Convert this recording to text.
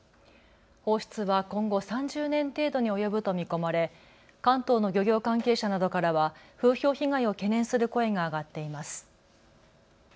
放出は今後３０年程度に及ぶと見込まれ関東の漁業関係者などからは風評被害を懸念する声が上がっています。